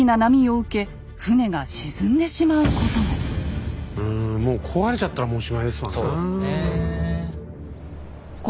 うんもう壊れちゃったらおしまいですわな。